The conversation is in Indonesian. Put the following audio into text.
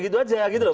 ditarik gitu aja